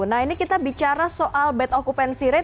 nah ini kita bicara soal bad occupancy rate